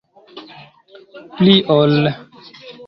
Pli ol.